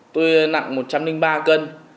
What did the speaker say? tôi nặng một trăm linh ba kg